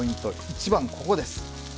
一番は、ここです。